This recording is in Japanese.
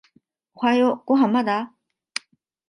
おはようご飯まだ？